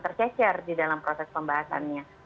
tercecer di dalam proses pembahasannya